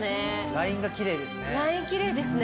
ラインがキレイですね。